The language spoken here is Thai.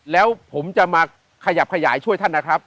แล้วผมจะมาขยับขยายช่วยท่านนะครับ